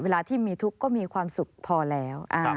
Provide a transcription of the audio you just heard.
เวลาที่มีทุกข์ก็มีความสุขพอแล้ว